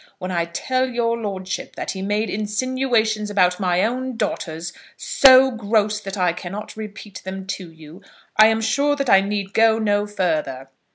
When I tell your lordship that he made insinuations about my own daughters, so gross that I cannot repeat them to you, I am sure that I need go no further.